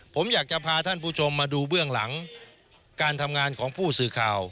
ผมอยากจะพาท่านผู้ชมมาดูเบื้องหลังการทำงานของผู้สื่อข่าว